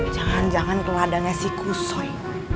jangan jangan ke ladangnya si kusoy